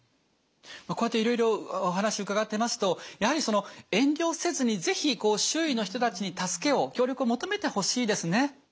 こうやっていろいろお話伺ってますとやはりその遠慮せずに是非周囲の人たちに助けを協力を求めてほしいですね。